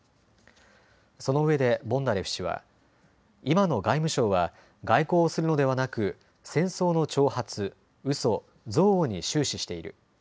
そのうえでボンダレフ氏は今の外務省は外交をするのではなく戦争の挑発、うそ、憎悪に終始している。